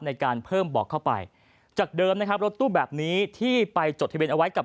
ในการเพิ่มบอกเข้าไปจากเดิมนะครับรถตู้แบบนี้ที่ไปจดทะเบียนเอาไว้กับ